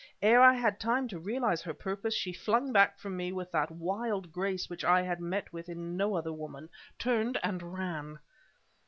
Ere I had time to realize her purpose, she flung back from me with that wild grace which I had met with in no other woman, turned and ran!